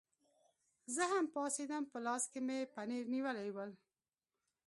زه هم پاڅېدم، په لاس کې مې پنیر نیولي ول.